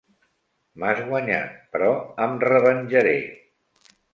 M'has guanyat, però em revenjaré.